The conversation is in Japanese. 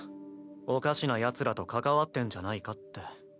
おかしなヤツらと関わってんじゃないかって。